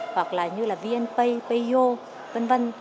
hoặc là như là vnpay payo v v